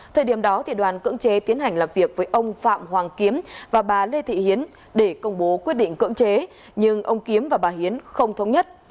thời điểm đó đoàn cưỡng chế tiến hành làm việc với ông phạm hoàng kiếm và bà lê thị hiến để công bố quyết định cưỡng chế nhưng ông kiếm và bà hiến không thống nhất